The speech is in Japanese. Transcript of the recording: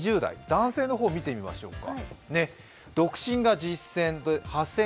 男性の方を見てみましょうか。